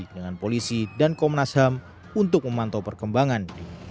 dengan polisi dan komnas ham untuk memantau perkembangan